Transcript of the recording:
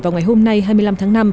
vào ngày hôm nay hai mươi năm tháng năm